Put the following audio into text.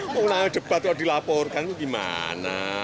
kalau debat dilaporkan gimana